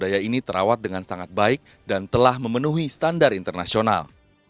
dan sakti lodaya ini terawat dengan sangat baik dan telah memenuhi standar internasional